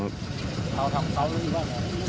เขาทำเขาหรือยัง